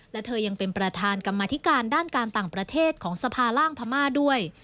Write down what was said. และเธอยังเป็นประธานกรรมธิการด้านการต่างประเทศของสภาล่างพม่าด้วย